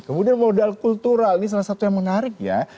kemudian modal kultural ini salah satu yang menarik ya